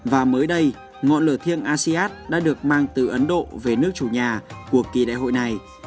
và mới đây ngọn lửa thiêng asean đã được mang từ ấn độ về nước chủ nhà của kỳ đại hội này